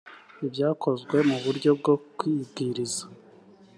ibyakozwe mu buryo bwo kwibwiriza